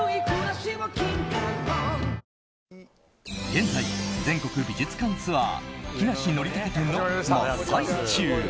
現在、全国美術館ツアー「木梨憲武展」の真っ最中。